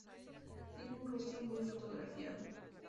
Tiene un rostro muy fotografiado.